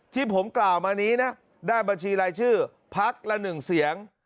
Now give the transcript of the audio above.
ที่ผมกล่าวมานี้นะได้บัญชีรายชื่อพักละ๑เสียง